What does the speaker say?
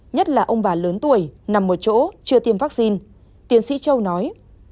nhất là ông bà lớn tuổi nằm một chỗ chưa tiêm vaccine tiến sĩ châu nói